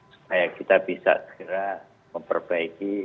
supaya kita bisa segera memperbaiki